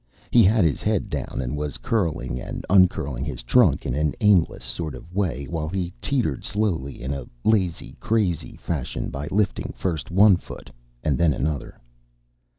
He had his head down and was curling and uncurling his trunk in an aimless sort of way while he teetered slowly in a lazy crazy fashion by lifting first one foot and then another.